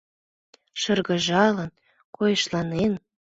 Шыргыжалын-койышланен